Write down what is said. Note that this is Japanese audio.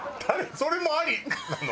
それもありなの？